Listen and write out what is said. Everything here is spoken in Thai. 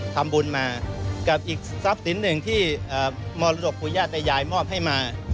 ทำบุญมาสับสินหนึ่งที่มอร์โรตกภูริญาตยายยายมอบให้มา